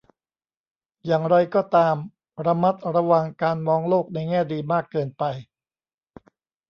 อย่างไรก็ตาม ระมัดระวังการมองโลกในแง่ดีมากเกินไป